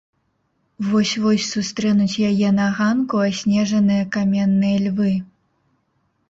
Вось-вось сустрэнуць яе на ганку аснежаныя каменныя львы.